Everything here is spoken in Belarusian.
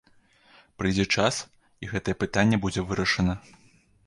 Прыйдзе час, і гэтае пытанне будзе вырашана.